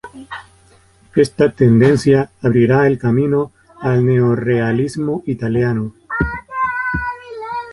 Esta tendencia abrirá el camino al neorrealismo italiano.